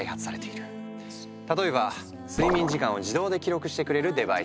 例えば睡眠時間を自動で記録してくれるデバイス。